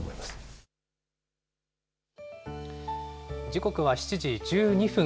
時刻は７時１２分。